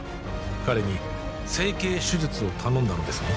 彼に整形手術を頼んだのですね？